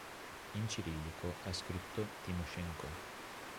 In cirillico è scritto Тимошенко.